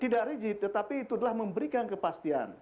tidak rigid tetapi itu adalah memberikan kepastian